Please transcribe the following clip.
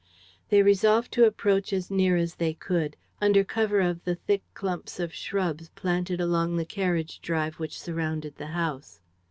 They resolved to approach as near as they could, under cover of the thick clumps of shrubs planted along the carriage drive which surrounded the house.